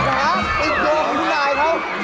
นะไม่ค่ะเป็นเกลอของคุณนายครับ